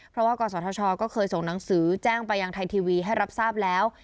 เพราะว่ากศธชก็เคยส่งหนังสือแจ้งไปยังไทยทีวีให้รับทราบแล้ว